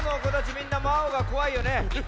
みんな「ワオ！」がこわいよね。